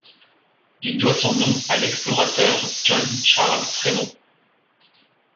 Il doit son nom à l'explorateur John Charles Frémont.